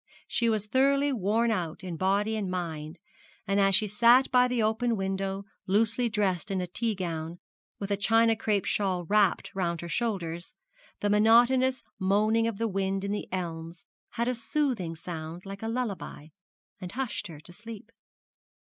She was thoroughly worn out in body and mind, and as she sat by the open window loosely dressed in a tea gown, with a china crape shawl wrapped round her shoulders, the monotonous moaning of the wind in the elms had a soothing sound like a lullaby, and hushed her to sleep.